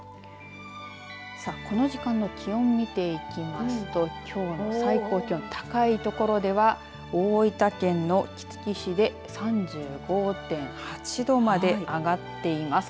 さあこの時間の気温、見ていきますときょうの最高気温、高い所では大分県の杵築市で３５．８度まで上がっています。